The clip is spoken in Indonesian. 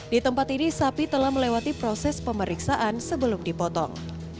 di tempat ini sapi telah melewati proses pemeriksaan sebelum dipotong